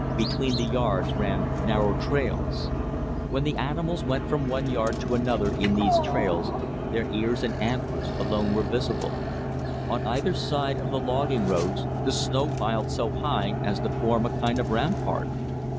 Between the yards ran narrow trails. When the animals went from one yard to another in these trails, their ears and antlers alone were visible. On either side of the logging roads the snow piled so high as to form a kind of rampart.